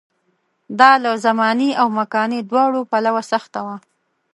دا له زماني او مکاني دواړو پلوه سخته وه.